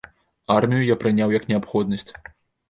Армію я прыняў як неабходнасць.